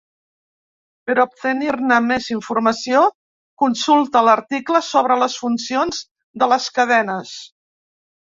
Per obtenir-ne més informació, consulta l'article sobre les funcions de les cadenes.